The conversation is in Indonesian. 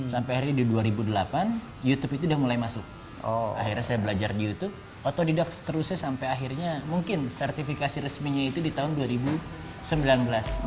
sampai akhirnya di dua ribu delapan youtube itu udah mulai masuk oh akhirnya saya belajar di youtube otodidak seterusnya sampai akhirnya mungkin sertifikasi resminya itu di tahun dua ribu sembilan belas